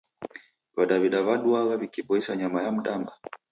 W'adaw'ida w'iduaa w'ikiboisa nyama ya mdanda?